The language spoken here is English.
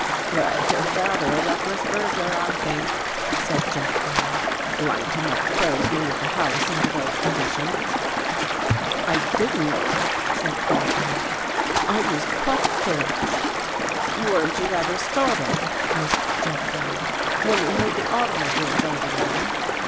" Well, you're rather a reckless burglar, I think," said Jeffrey, " lighting up Crow's wing of the house under those conditions." " I didn't," said Barton. " I used a pocket torch." " Weren't you rather startled," asked Jeffrey, " when you heard the automobile driving in?